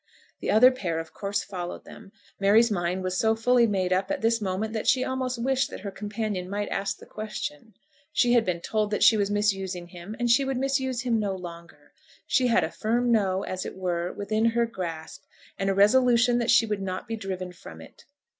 The other pair of course followed them. Mary's mind was so fully made up, at this moment, that she almost wished that her companion might ask the question. She had been told that she was misusing him; and she would misuse him no longer. She had a firm No, as it were, within her grasp, and a resolution that she would not be driven from it.